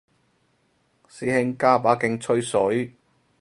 師兄加把勁吹水